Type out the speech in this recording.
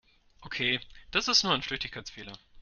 Okay, das ist nur ein Flüchtigkeitsfehler.